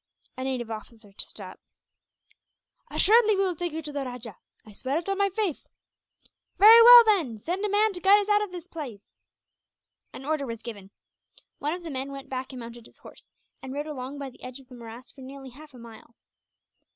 A native officer stood up. "Assuredly we will take you to the rajah. I swear it on my faith." "Very well then, send a man to guide us out of this place." An order was given. One of the men went back and mounted his horse, and rode along by the edge of the morass for nearly half a mile.